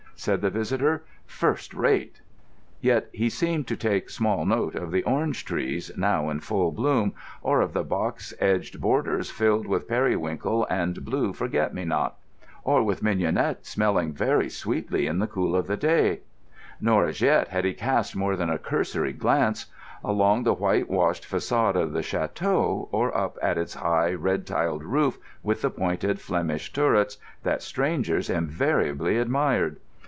said the visitor. "First rate!" Yet he seemed to take small note of the orange trees, now in full bloom, or of the box edged borders filled with periwinkle and blue forget me not, or with mignonette smelling very sweetly in the cool of the day; nor as yet had he cast more than a cursory glance along the whitewashed façade of the château or up at its high red tiled roof with the pointed Flemish turrets that strangers invariably admired.